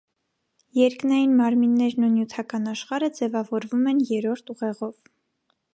Երկնային մարմիններն ու նյութական աշխարհը ձևավորվում են երրորդ ուղեղով։